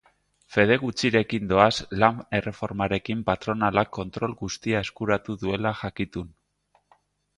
Fede gutxirekin doaz lan-erreformarekin patronalak kontrol guztia eskuratu duela jakitun.